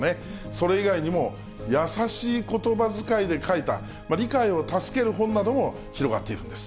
それ以外にも、やさしいことば使いで書いた、理解を助ける本なども広がっているんです。